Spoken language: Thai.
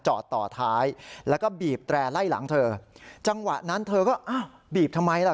ต่อท้ายแล้วก็บีบแตร่ไล่หลังเธอจังหวะนั้นเธอก็อ้าวบีบทำไมล่ะ